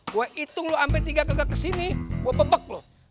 gue hitung lu sampai tiga kerja kesini gue pebek lu